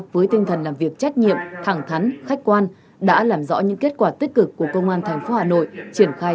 với quy mô lớn nhất từ trước đến nay